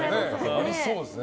ありそうですね。